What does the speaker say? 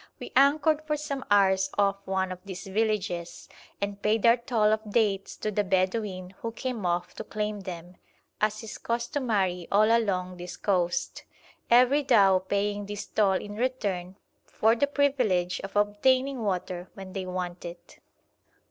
We anchored for some hours off one of these villages, and paid our toll of dates to the Bedouin who came off to claim them, as is customary all along this coast, every dhow paying this toll in return for the privilege of obtaining water when they want it.